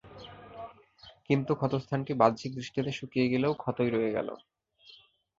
কিন্তু ক্ষতস্থানটি বাহ্যিক দৃষ্টিতে শুকিয়ে গেলেও ক্ষতই রয়ে গেল।